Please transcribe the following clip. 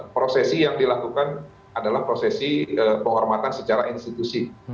prosesi yang dilakukan adalah prosesi penghormatan secara institusi